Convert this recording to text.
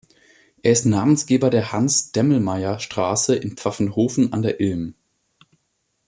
Er ist Namensgeber der Hans-Demmelmeier-Straße in Pfaffenhofen an der Ilm.